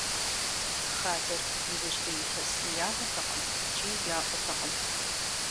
Хадэр иужьрей илъэсым яватэкъым икӀи яӀуатэкъым.